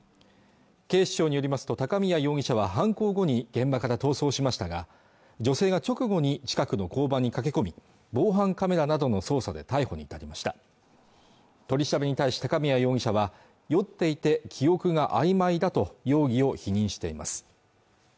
警視庁によりますと高宮容疑者は犯行後に現場から逃走しましたが女性が直後に近くの交番に駆け込み防犯カメラなどの捜査で逮捕に至りました取り調べに対して高宮容疑者は酔っていて記憶が曖昧だと容疑を否認しています